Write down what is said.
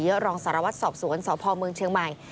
รองสารวัตรสอบสวนสพเมืองเชียงใหม่